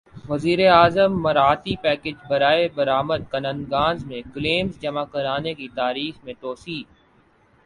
وزیر اعظم مراعاتی پیکج برائے برامد کنندگان میں کلیمز جمع کرانے کی تاریخ میں توسیع